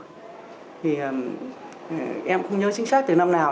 thì em không nhớ chính xác từ năm nào